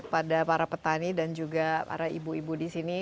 pada para petani dan juga para ibu ibu di sini